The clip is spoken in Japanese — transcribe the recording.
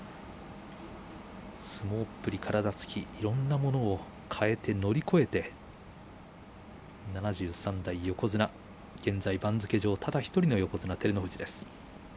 相撲っぷり体つき、いろんなものを変えて乗り越えて、７３代横綱現在番付上ただ１人の横綱照ノ富士です。